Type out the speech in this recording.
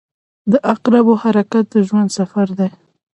• د عقربو حرکت د ژوند سفر دی.